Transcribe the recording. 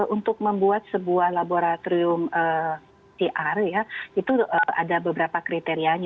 untuk membuat sebuah laboratorium pcr itu ada beberapa kriterianya